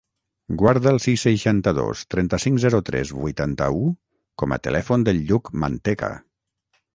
Guarda el sis, seixanta-dos, trenta-cinc, zero, tres, vuitanta-u com a telèfon del Lluc Manteca.